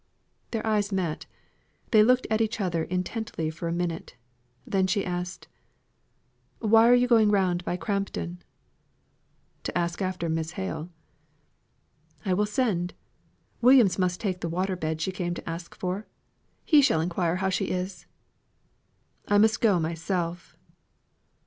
Their eyes met; they looked at each other intently for a minute. Then she asked: "Why are you going round by Crampton?" "To ask after Miss Hale." "I will send. Williams must take the water bed she came to ask for. He shall inquire how she is." "I must go myself."